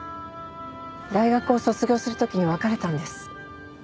大学を卒業する時に別れたんです。